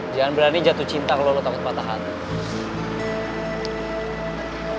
jangan berani jatuh cinta kalau lo takut patah hati